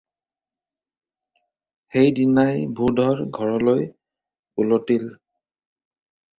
সেই দিনাই ভূধৰ ঘৰলৈ উলটিল।